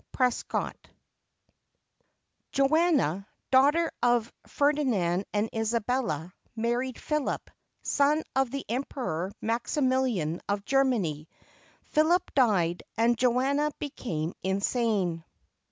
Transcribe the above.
PRESCOTT [Joanna, daughter of Ferdinand and Isabella, married Philip, son of the Emperor Maximilian of Germany. Philip died and Joanna became insane.